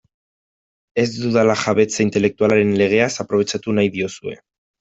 Ez dudala jabetza intelektualaren legeaz aprobetxatu nahi diozue.